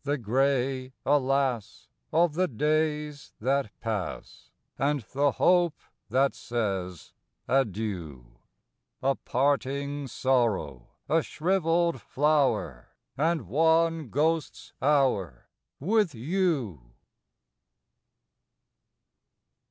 IV. The gray "alas" of the days that pass, And the hope that says "adieu," A parting sorrow, a shriveled flower, And one ghost's hour With you.